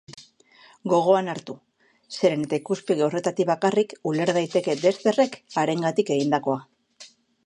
Gogoan hartu, zeren eta ikuspegi horretatik bakarrik uler daiteke Dexterrek harengatik egindakoa.